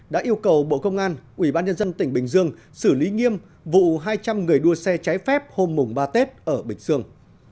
đã yêu cầu bộ công an ủy ban nhân dân tỉnh bình dương xử lý nghiêm vụ hai trăm linh người đua xe trái phép hôm ba tết ở bình dương